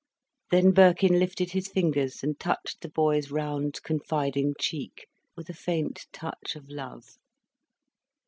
Then Birkin lifted his fingers and touched the boy's round, confiding cheek, with a faint touch of love.